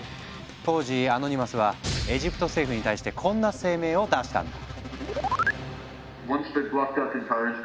当時アノニマスはエジプト政府に対してこんな声明を出したんだ。